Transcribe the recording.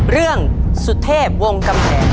เรื่องสุทธย์วงกำแหง